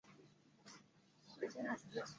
他对竞技游泳科学技术做出了重大贡献。